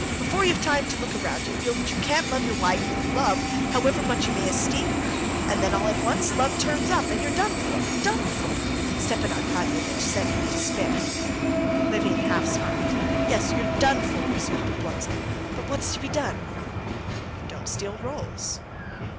Before you've time to look round, you feel that you can't love your wife with love, however much you may esteem her. And then all at once love turns up, and you're done for, done for," Stepan Arkadyevitch said with weary despair. Levin half smiled. "Yes, you're done for," resumed Oblonsky. "But what's to be done?" "Don't steal rolls."